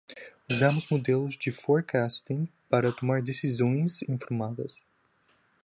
Usamos modelos de forecasting para tomar decisões informadas.